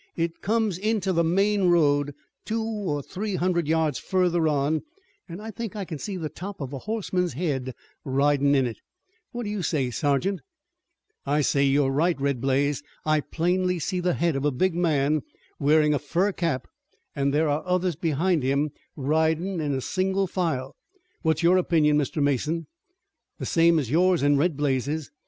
It comes into the main road, two or three hundred yards further on, an' I think I can see the top of a horseman's head ridin' in it. What do you say, sergeant?" "I say that you are right, Red Blaze. I plainly see the head of a big man, wearing a fur cap, an' there are others behind him, ridin' in single file. What's your opinion, Mr. Mason?" "The same as yours and Red Blaze's.